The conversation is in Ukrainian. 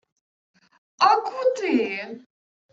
— А куди?